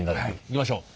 いきましょう。